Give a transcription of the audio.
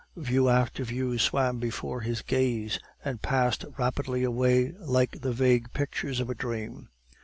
View after view swam before his gaze, and passed rapidly away like the vague pictures of a dream.